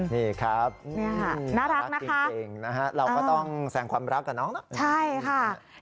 นี่นะคับรักจริงเราก็ต้องแสงความรักกับน้องนะ